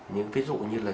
những ví dụ như là